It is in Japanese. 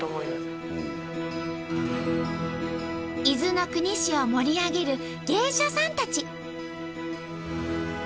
伊豆の国市を盛り上げる芸者さんたち。